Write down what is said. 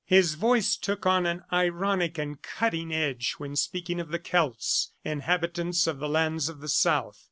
His voice took on an ironic and cutting edge when speaking of the Celts, inhabitants of the lands of the South.